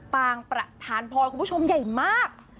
ปางประธานพลอยคุณผู้ชมใหญ่มาก